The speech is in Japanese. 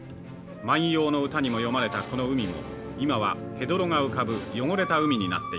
万葉の歌にも詠まれたこの海も今はヘドロが浮かぶ汚れた海になっています。